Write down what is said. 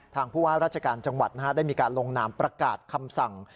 ผู้ว่าราชการจังหวัดได้มีการลงนามประกาศคำสั่ง